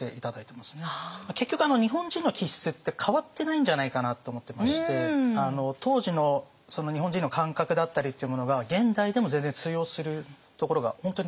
結局日本人の気質って変わってないんじゃないかなって思ってまして当時の日本人の感覚だったりっていうものが現代でも全然通用するところが本当にたくさんあるなと思ってますので。